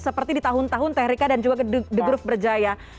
seperti di tahun tahun teh rika dan juga the group berjaya